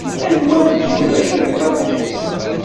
Anwa ara d-yuraren Hamlet?